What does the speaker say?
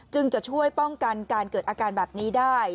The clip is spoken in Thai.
จะช่วยป้องกันการเกิดอาการแบบนี้ได้